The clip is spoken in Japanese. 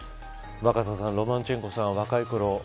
若狭さん、ロマンチェンコさん若いころ